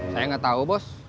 saya gak tahu bos